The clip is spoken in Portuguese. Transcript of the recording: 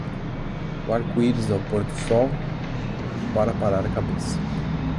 O arco-íris ao pôr do sol, para parar a cabeça.